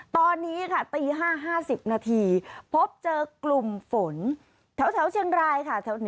ตอนนี้ค่ะตี๕๕๐นาทีพบเจอกลุ่มฝนแถวเชียงรายค่ะ